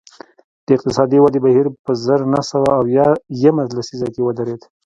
د اقتصادي ودې بهیر په زر نه سوه اویا یمه لسیزه کې ودرېد